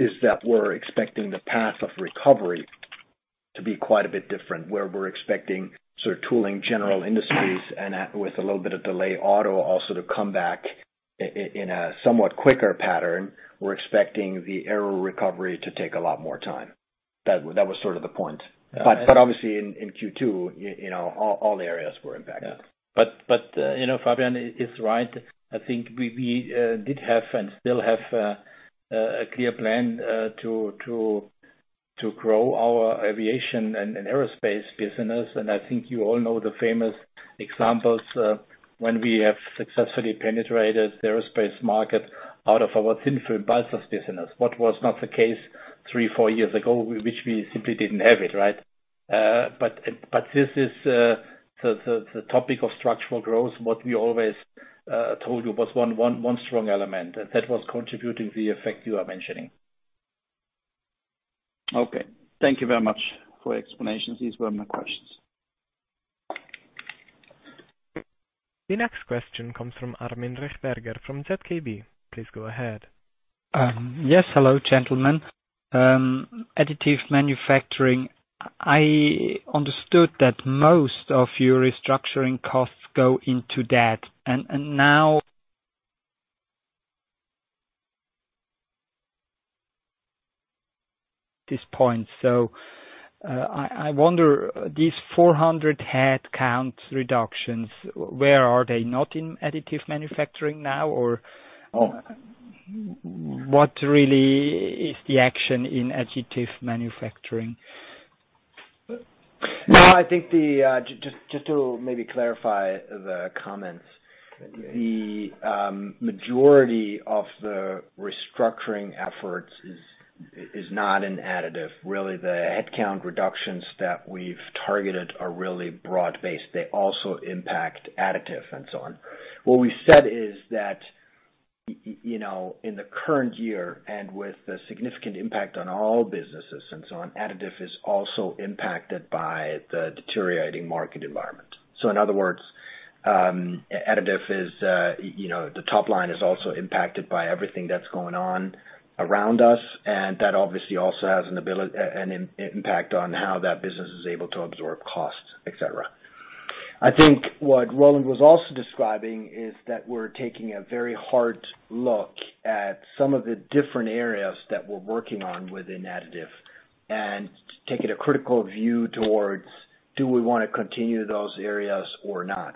is that we're expecting the path of recovery to be quite a bit different, where we're expecting tooling, general industries, and with a little bit of delay, auto also to come back in a somewhat quicker pattern. We're expecting the aero recovery to take a lot more time. That was sort of the point. Obviously in Q2, all areas were impacted. Fabian is right. I think we did have, and still have, a clear plan to grow our Aviation and Aerospace business. I think you all know the famous examples when we have successfully penetrated the aerospace market out of our thin-film Balzers business, what was not the case three, four years ago, which we simply didn't have it, right? This is the topic of structural growth. What we always told you was one strong element, and that was contributing the effect you are mentioning. Okay. Thank you very much for explanations. These were my questions. The next question comes from Armin Rechberger from ZKB. Please go ahead. Yes. Hello, gentlemen. Additive manufacturing. I understood that most of your restructuring costs go into that. Now, this point, so I wonder, these 400 headcount reductions, where are they not in additive manufacturing now, or what really is the action in additive manufacturing? I think just to maybe clarify the comments. The majority of the restructuring efforts is not in additive. The headcount reductions that we've targeted are really broad-based. They also impact additive and so on. What we said is that in the current year, with the significant impact on all businesses and so on, additive is also impacted by the deteriorating market environment. In other words, additive, the top line is also impacted by everything that's going on around us, and that obviously also has an impact on how that business is able to absorb costs, et cetera. I think what Roland was also describing is that we're taking a very hard look at some of the different areas that we're working on within additive, and taking a critical view towards do we want to continue those areas or not?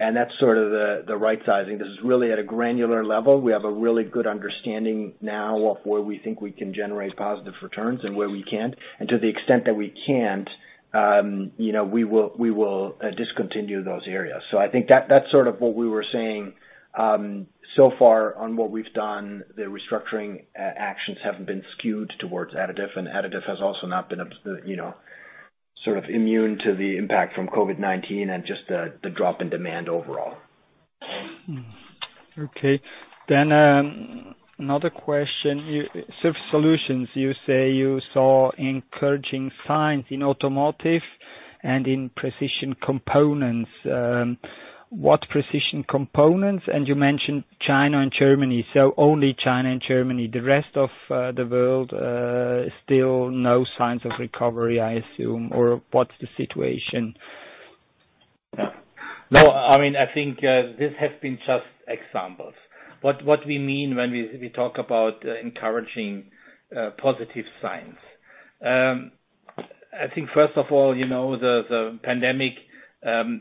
That's sort of the right sizing. This is really at a granular level. We have a really good understanding now of where we think we can generate positive returns and where we can't. To the extent that we can't, we will discontinue those areas. I think that's sort of what we were saying. Far on what we've done, the restructuring actions haven't been skewed towards additive, and additive has also not been sort of immune to the impact from COVID-19 and just the drop in demand overall. Okay. Another question. Surface Solutions, you say you saw encouraging signs in automotive and in precision components. What precision components? You mentioned China and Germany. Only China and Germany. The rest of the world, still no signs of recovery, I assume, or what's the situation? No, I think these have been just examples. What we mean when we talk about encouraging positive signs. I think first of all, the pandemic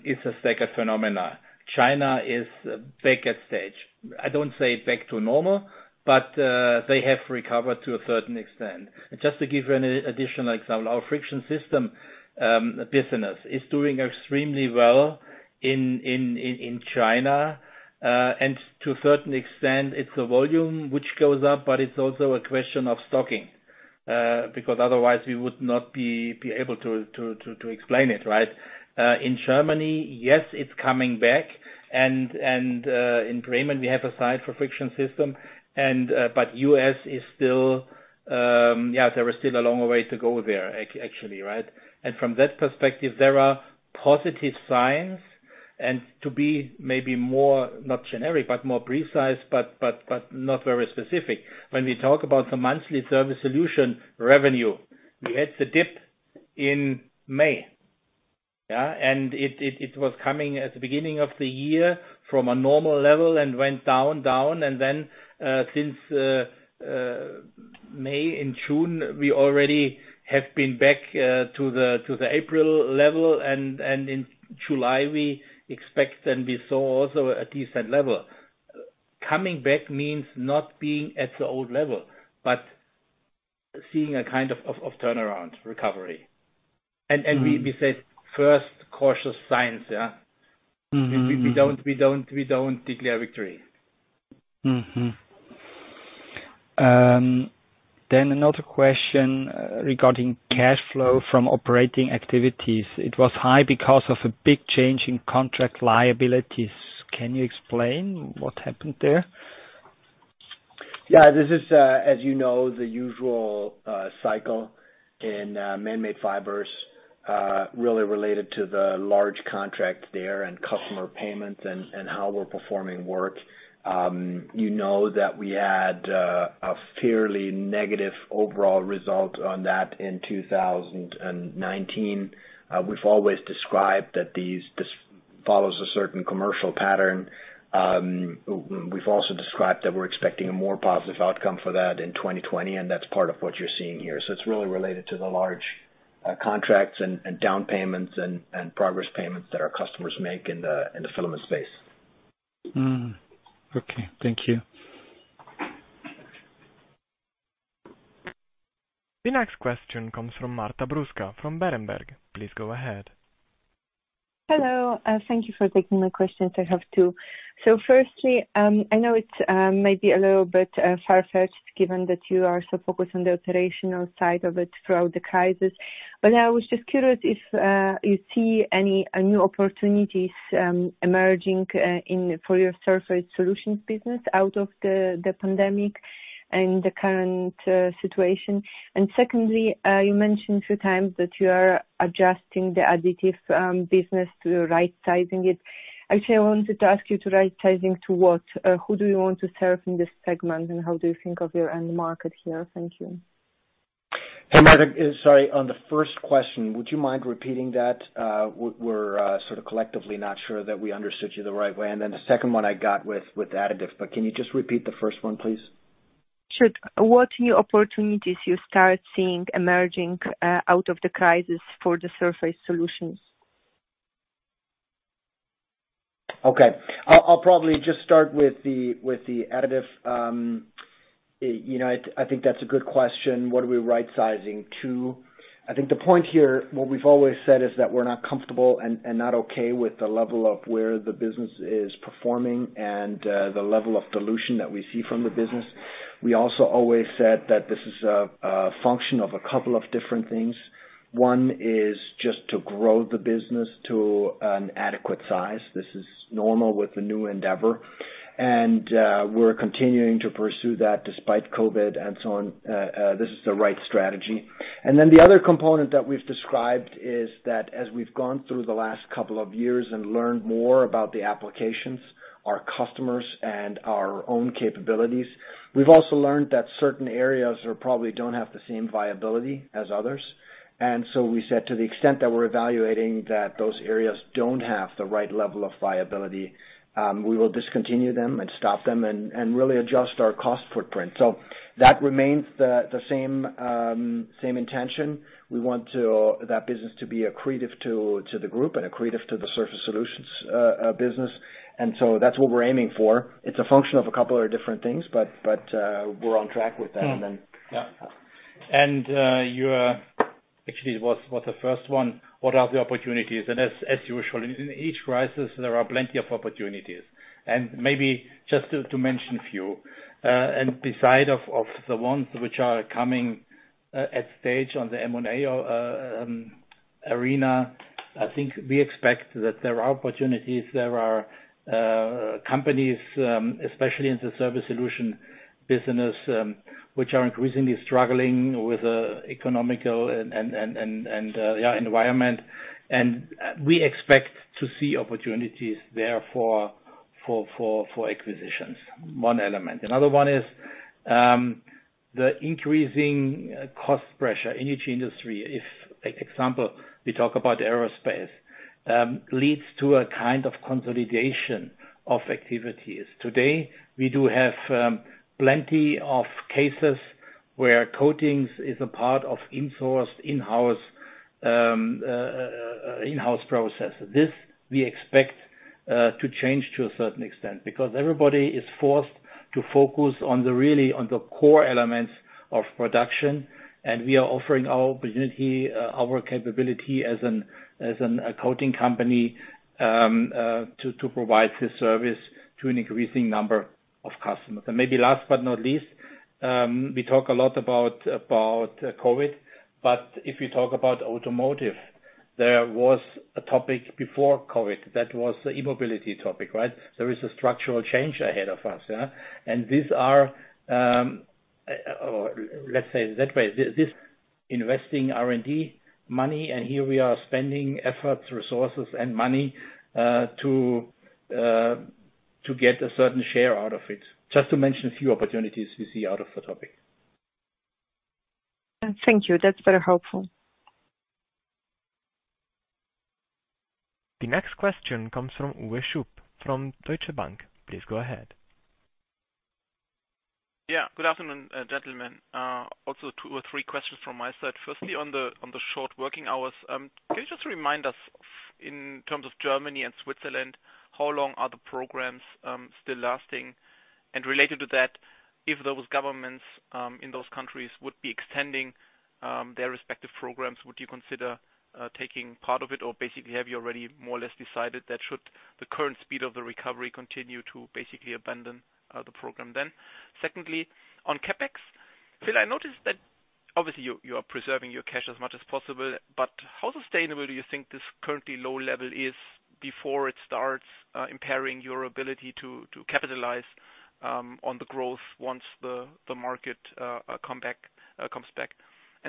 is a second phenomena. China is back at stage. I don't say back to normal, but they have recovered to a certain extent. Just to give you an additional example, our Friction Systems business is doing extremely well in China. To a certain extent, it's the volume which goes up, but it's also a question of stocking, because otherwise we would not be able to explain it, right? In Germany, yes, it's coming back, and in Bremen we have a site for Friction Systems. U.S., there is still a long way to go there, actually, right? From that perspective, there are positive signs and to be maybe more, not generic, but more precise, but not very specific. When we talk about the monthly Surface Solutions revenue, we had the dip in May. Yeah. It was coming at the beginning of the year from a normal level and went down, then, since May and June, we already have been back to the April level. In July, we expect, and we saw also a decent level. Coming back means not being at the old level, but seeing a kind of turnaround recovery. We said first cautious signs. We don't declare victory. Another question regarding cash flow from operating activities. It was high because of a big change in contract liabilities. Can you explain what happened there? This is, as you know, the usual cycle in Manmade Fibers, really related to the large contract there and customer payments and how we're performing work. You know that we had a fairly negative overall result on that in 2019. We've always described that this follows a certain commercial pattern. We've also described that we're expecting a more positive outcome for that in 2020, and that's part of what you're seeing here. It's really related to the large contracts and down payments and progress payments that our customers make in the filament space. Mm-hmm. Okay. Thank you. The next question comes from Marta Bruska from Berenberg. Please go ahead. Hello. Thank you for taking my questions, I have two. Firstly, I know it's maybe a little bit far-fetched given that you are so focused on the operational side of it throughout the crisis, but I was just curious if you see any new opportunities emerging for your Surface Solutions business out of the pandemic and the current situation. Secondly, you mentioned a few times that you are adjusting the Additive business to right-sizing it. Actually, I wanted to ask you to right-sizing to what? Who do you want to serve in this segment, and how do you think of your end market here? Thank you. Hey, Marta. Sorry, on the first question, would you mind repeating that? We're sort of collectively not sure that we understood you the right way. Then the second one I got with additive, but can you just repeat the first one, please? Sure. What new opportunities you start seeing emerging out of the crisis for the Surface Solutions? Okay. I'll probably just start with the additive. I think that's a good question. What are we right-sizing to? I think the point here, what we've always said is that we're not comfortable and not okay with the level of where the business is performing and the level of dilution that we see from the business. We also always said that this is a function of a couple of different things. One is just to grow the business to an adequate size. This is normal with the new endeavor. We're continuing to pursue that despite COVID-19 and so on. This is the right strategy. The other component that we've described is that as we've gone through the last couple of years and learned more about the applications, our customers, and our own capabilities, we've also learned that certain areas probably don't have the same viability as others. We said to the extent that we're evaluating that those areas don't have the right level of viability, we will discontinue them and stop them and really adjust our cost footprint. That remains the same intention. We want that business to be accretive to the group and accretive to the Surface Solutions business. That's what we're aiming for. It's a function of a couple of different things, but we're on track with that. Yeah. Your, actually, it was the first one, what are the opportunities? As usual, in each crisis, there are plenty of opportunities. Maybe just to mention a few, and beside of the ones which are coming at stage on the M&A arena, I think we expect that there are opportunities, there are companies, especially in the Surface Solutions business, which are increasingly struggling with economical and environment. We expect to see opportunities there for acquisitions. One element. Another one is the increasing cost pressure in each industry. If, example, we talk about aerospace, leads to a kind of consolidation of activities. Today, we do have plenty of cases where coatings is a part of insourced, in-house processes. This, we expect to change to a certain extent, because everybody is forced to focus on the core elements of production, and we are offering our opportunity, our capability as a coating company, to provide this service to an increasing number of customers. Maybe last but not least, we talk a lot about COVID-19, but if we talk about automotive, there was a topic before COVID-19 that was the e-mobility topic, right? There is a structural change ahead of us. These are, let's say it that way, this investing R&D money, and here we are spending efforts, resources, and money to get a certain share out of it. Just to mention a few opportunities we see out of the topic. Thank you. That's very helpful. The next question comes from Uwe Schupp from Deutsche Bank. Please go ahead. Yeah. Good afternoon, gentlemen. Also two or three questions from my side. Firstly, on the short working hours, can you just remind us in terms of Germany and Switzerland, how long are the programs still lasting? Related to that, if those governments in those countries would be extending their respective programs, would you consider taking part of it, or basically have you already more or less decided that should the current speed of the recovery continue to basically abandon the program then? Secondly, on CapEx, Philipp, I noticed that obviously you are preserving your cash as much as possible, but how sustainable do you think this currently low level is before it starts impairing your ability to capitalize on the growth once the market comes back?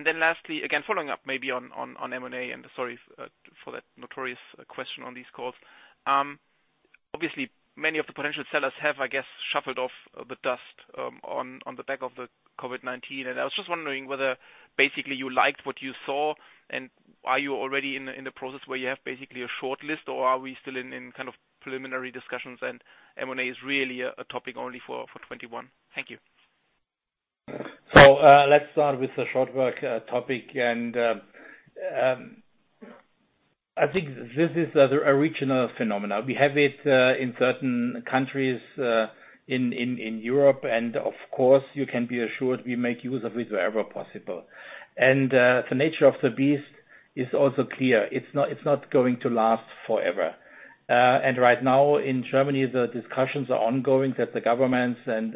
Then lastly, again, following up maybe on M&A, and sorry for that notorious question on these calls. Obviously many of the potential sellers have, I guess, shuffled off the dust on the back of the COVID-19. I was just wondering whether basically you liked what you saw, and are you already in the process where you have basically a shortlist, or are we still in kind of preliminary discussions and M&A is really a topic only for 2021? Thank you. Let's start with the short-time work topic. I think this is a regional phenomena. We have it in certain countries in Europe. Of course you can be assured we make use of it wherever possible. The nature of the beast is also clear. It's not going to last forever. Right now in Germany, the discussions are ongoing that the governments and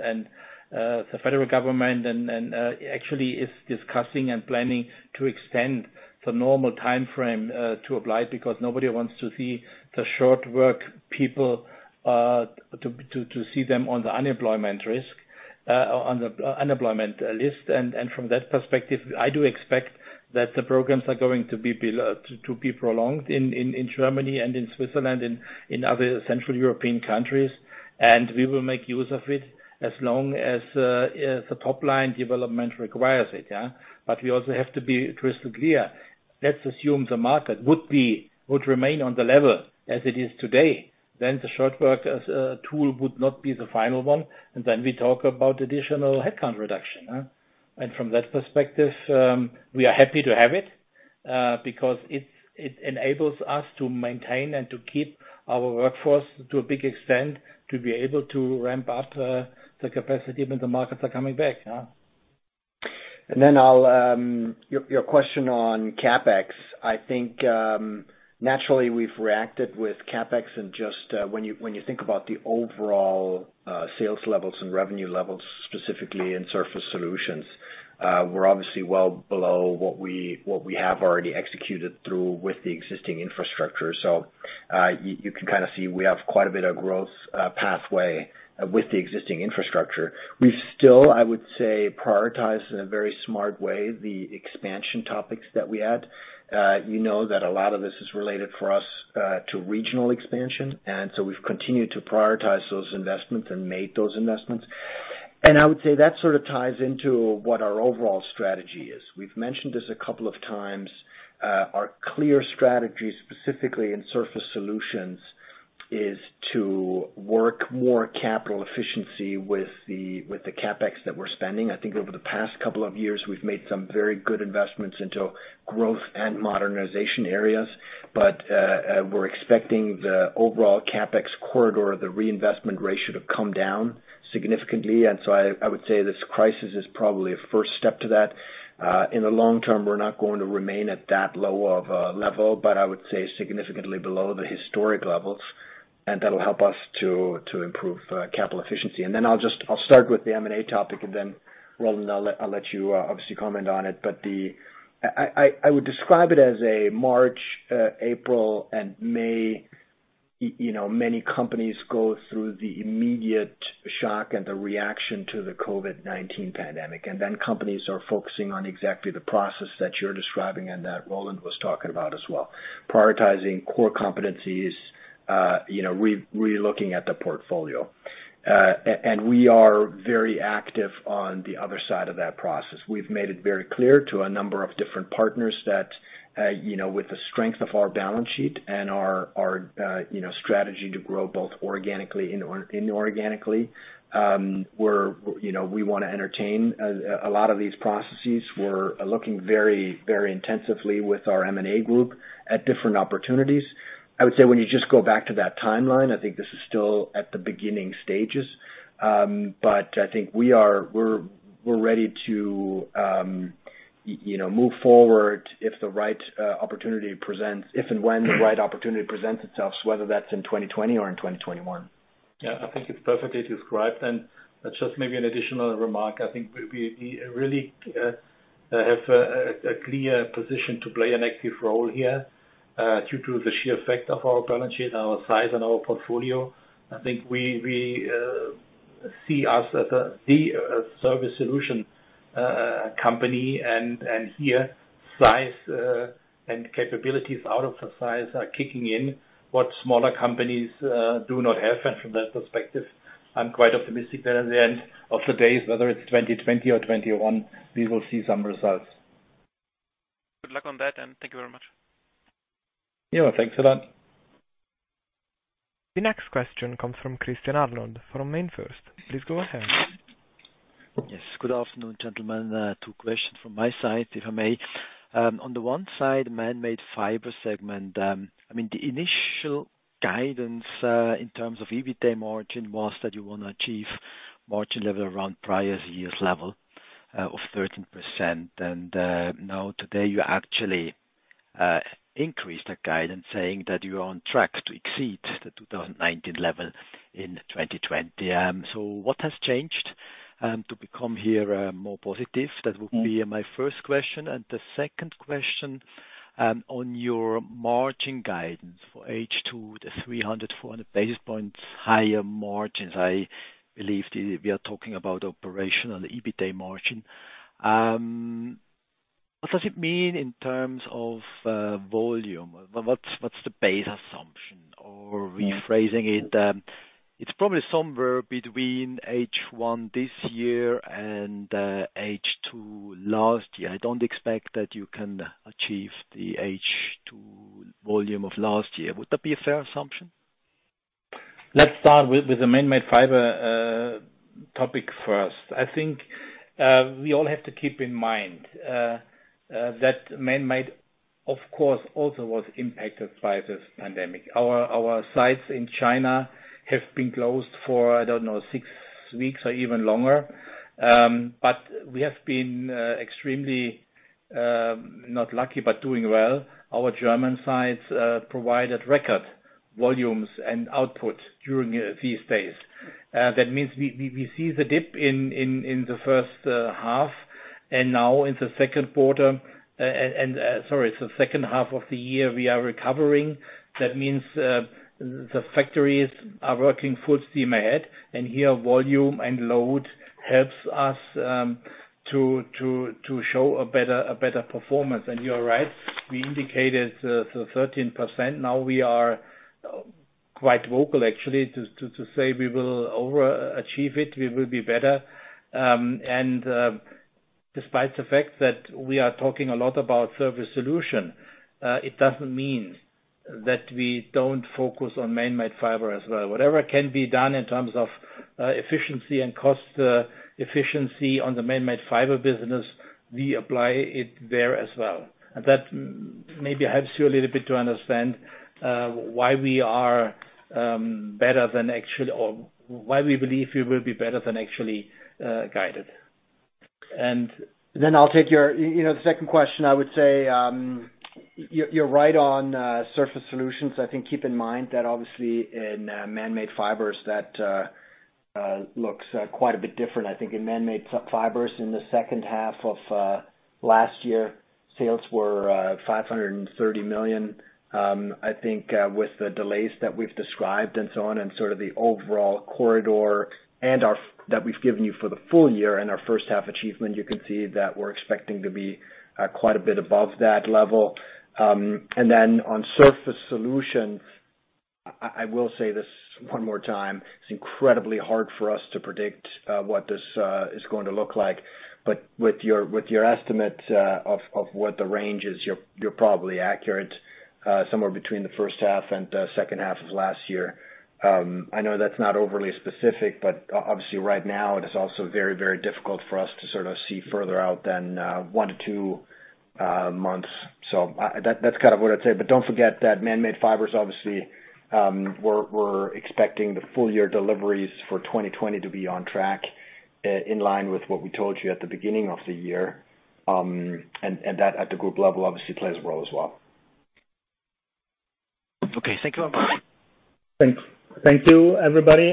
the federal government and actually is discussing and planning to extend the normal timeframe to apply because nobody wants to see the short-time work people, to see them on the unemployment list. From that perspective, I do expect that the programs are going to be prolonged in Germany and in Switzerland and in other central European countries. We will make use of it as long as the top line development requires it. We also have to be crystal clear. Let's assume the market would remain on the level as it is today. Then the short-time work as a tool would not be the final one. Then we talk about additional headcount reduction. From that perspective, we are happy to have it, because it enables us to maintain and to keep our workforce to a big extent, to be able to ramp up the capacity when the markets are coming back. Your question on CapEx, I think, naturally we've reacted with CapEx and just when you think about the overall sales levels and revenue levels specifically in Surface Solutions, we're obviously well below what we have already executed through with the existing infrastructure. You can kind of see we have quite a bit of growth pathway with the existing infrastructure. We've still, I would say, prioritized in a very smart way the expansion topics that we had. You know that a lot of this is related for us to regional expansion, We've continued to prioritize those investments and made those investments. I would say that sort of ties into what our overall strategy is. We've mentioned this a couple of times. Our clear strategy specifically in Surface Solutions is to work more capital efficiency with the CapEx that we're spending. I think over the past couple of years, we've made some very good investments into growth and modernization areas. We're expecting the overall CapEx corridor, the reinvestment ratio, to come down significantly. I would say this crisis is probably a first step to that. In the long term, we're not going to remain at that low of a level, but I would say significantly below the historic levels. That'll help us to improve capital efficiency. I'll start with the M&A topic and then Roland, I'll let you obviously comment on it. I would describe it as a March, April, and May, many companies go through the immediate shock and the reaction to the COVID-19 pandemic, and then companies are focusing on exactly the process that you're describing and that Roland was talking about as well, prioritizing core competencies, re-looking at the portfolio. We are very active on the other side of that process. We've made it very clear to a number of different partners that, with the strength of our balance sheet and our strategy to grow both organically and inorganically, we want to entertain a lot of these processes. We're looking very intensively with our M&A group at different opportunities. I would say when you just go back to that timeline, I think this is still at the beginning stages. I think we're ready to move forward if and when the right opportunity presents itself, whether that's in 2020 or in 2021. Yeah, I think it's perfectly described. Just maybe an additional remark, I think we really have a clear position to play an active role here, due to the sheer effect of our balance sheet, our size and our portfolio. I think we see us as the Surface Solutions company and here, size and capabilities out of the size are kicking in, what smaller companies do not have. From that perspective, I'm quite optimistic that at the end of the day, whether it's 2020 or 2021, we will see some results. Good luck on that, and thank you very much. Yeah. Thanks a lot. The next question comes from Christian Arnold from MainFirst. Please go ahead. Yes. Good afternoon, gentlemen. Two questions from my side, if I may. On the one side, Manmade Fibers segment. The initial guidance, in terms of EBITA margin, was that you want to achieve margin level around prior year's level of 13%. Now today you actually increased that guidance saying that you are on track to exceed the 2019 level in 2020. What has changed to become here more positive? That would be my first question. The second question, on your margin guidance for H2, the 300, 400 basis points higher margins, I believe we are talking about operational EBITA margin. What does it mean in terms of volume? What's the base assumption? Rephrasing it's probably somewhere between H1 this year and H2 last year. I don't expect that you can achieve the H2 volume of last year. Would that be a fair assumption? Let's start with the Manmade Fibers topic first. I think we all have to keep in mind that Manmade Fibers, of course, also was impacted by this pandemic. Our sites in China have been closed for, I don't know, six weeks or even longer. We have been extremely, not lucky, but doing well. Our German sites provided record volumes and output during these days. That means we see the dip in the first half, now in the second half of the year, we are recovering. That means the factories are working full steam ahead, here volume and load helps us to show a better performance. You are right, we indicated the 13%. Now we are quite vocal actually, to say we will overachieve it. We will be better. Despite the fact that we are talking a lot about Surface Solutions, it doesn't mean that we don't focus on Manmade Fibers as well. Whatever can be done in terms of efficiency and cost efficiency on the Manmade Fibers business, we apply it there as well. That maybe helps you a little bit to understand why we believe we will be better than actually guided. I'll take the second question. I would say, you're right on Surface Solutions. I think, keep in mind that obviously in Manmade Fibers, that looks quite a bit different. I think in Manmade Fibers in the second half of last year, sales were 530 million. I think with the delays that we've described and so on, and sort of the overall corridor that we've given you for the full year and our first half achievement, you can see that we're expecting to be quite a bit above that level. On Surface Solutions, I will say this one more time, it's incredibly hard for us to predict what this is going to look like. With your estimate of what the range is, you're probably accurate, somewhere between the first half and the second half of last year. I know that's not overly specific, but obviously right now it is also very difficult for us to sort of see further out than one to two months. That's kind of what I'd say. Don't forget that Manmade Fibers obviously, we're expecting the full year deliveries for 2020 to be on track, in line with what we told you at the beginning of the year. That at the group level obviously plays a role as well. Okay. Thank you. Thanks. Thank you, everybody.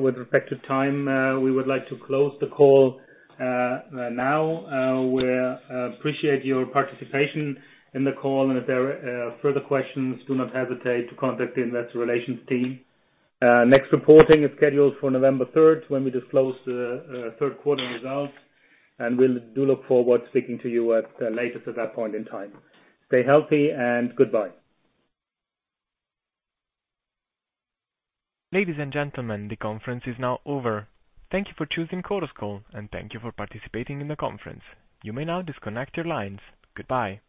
With respect to time, we would like to close the call now. We appreciate your participation in the call, and if there are further questions, do not hesitate to contact the investor relations team. Next reporting is scheduled for November 3rd when we disclose the third quarter results. We do look forward to speaking to you at latest at that point in time. Stay healthy and goodbye. Ladies and gentlemen, the conference is now over. Thank you for choosing Chorus Call, and thank you for participating in the conference. You may now disconnect your lines. Goodbye.